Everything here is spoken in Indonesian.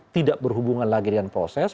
tidak berhubungan lagi dengan proses